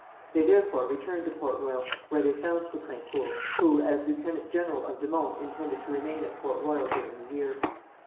They, therefore, returned to Port Royal, where they found Poutrincourt, who as lieutenant general of de Monts intended to remain at Port Royal during the year.